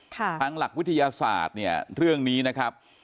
ภังหลักวิทยาศาสตร์เรื่องนี้นะครับ